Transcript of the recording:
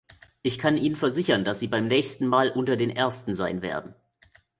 Ich kann Ihnen versichern, dass Sie beim nächsten Mal unter den Ersten sein werden.